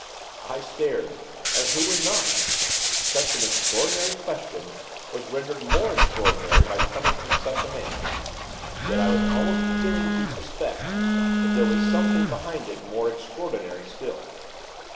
I stared, as who would not? Such an extraordinary question was rendered more extraordinary by coming from such a man, yet I was almost beginning to suspect that there was something behind it more extraordinary still.